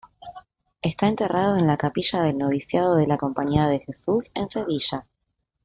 Está enterrado en la capilla del Noviciado de la Compañía de Jesús en Sevilla.